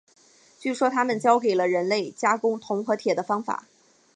据说他们教给了人类加工铜和铁的方法。